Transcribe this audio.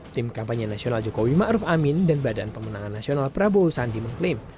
tim kampanye nasional jokowi ma'ruf amin dan badan pemenangan nasional prabowo sandi mengklaim